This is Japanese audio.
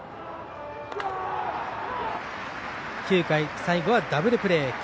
９回、最後はダブルプレー。